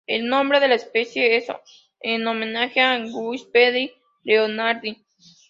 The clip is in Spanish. El nombre de la especie es en homenaje a Giuseppe Leonardi.